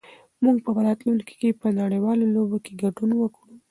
موږ به په راتلونکي کې په نړيوالو لوبو کې ګډون وکړو.